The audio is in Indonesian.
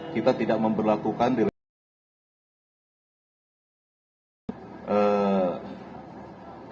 kita tidak memperlakukan delaying system